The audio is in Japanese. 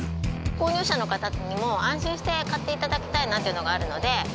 購入者の方にも安心して買っていただきたいなっていうのがあ